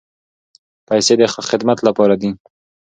پیسې د خدمت لپاره دي.